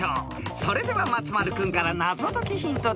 ［それでは松丸君から謎解きヒントです］